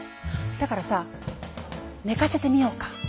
だからさ寝かせてみようか？